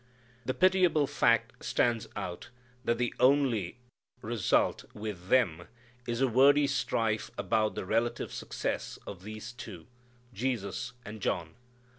The pitiable fact stands out that the only result with them is a wordy strife about the relative success of these two, Jesus and John.